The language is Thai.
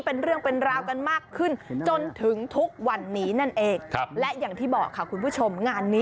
เป็นเรื่องเป็นราวกันมากขึ้นจนถึงทุกวันนี้นั่นเอง